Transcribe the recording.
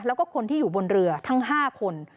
แล้วก็คนที่อยู่บนเรือทั้ง๕คน